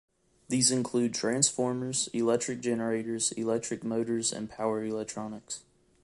These include transformers, electric generators, electric motors and power electronics.